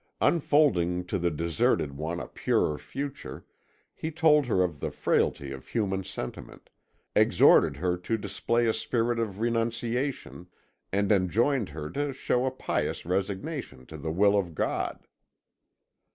Unfolding to the deserted one a purer future, he told her of the frailty of human sentiment, exhorted her to display a spirit of renunciation and enjoined her to show a pious resignation to the will of God.